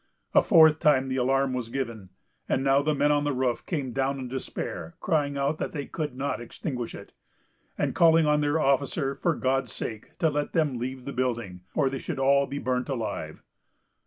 A fourth time the alarm was given; and now the men on the roof came down in despair, crying out that they could not extinguish it, and calling on their officer for God's sake to let them leave the building, or they should all be burnt alive.